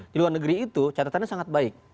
di luar negeri itu catatannya sangat baik